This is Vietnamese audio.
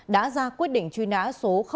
đã ra quyết định truy nã số một